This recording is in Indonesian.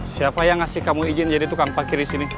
siapa yang ngasih kamu izin jadi tukang parkir disini